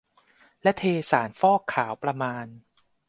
และเทสารฟอกขาวประมาณ